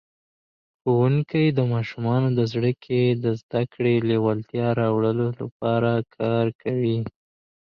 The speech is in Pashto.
ښوونکی د ماشومانو په زړه کې د زده کړې لېوالتیا راوړلو لپاره کار کوي.